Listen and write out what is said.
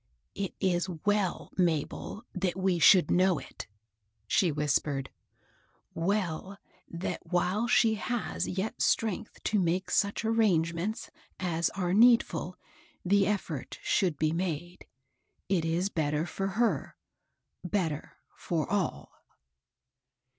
" It is well, Mabel, that we should know it," she whispered, — "well that while she has yet strength to make such arrangements as are ueed ful, the effort should be made. It is better for her, — better foi: all."